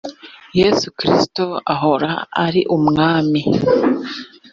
yesu kristo ahora ari umwami